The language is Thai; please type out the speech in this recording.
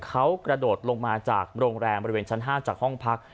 เขากระโดดลงมาจากโรงแรมบริเวณชั้น๕จากห้องพัก